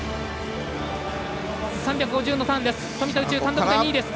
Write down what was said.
３５０のターンです。